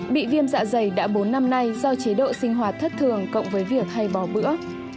bị viêm dạ dày đã bốn năm nay do chế độ sinh hoạt thất thường cộng với việc hay bò bữa